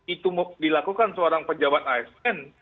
itu dilakukan seorang pejabat asn